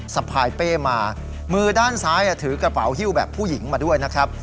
สะพายเป้มามือด้านซ้ายถือกระเป๋าฮิ้วแบบผู้หญิงมาด้วยนะครับ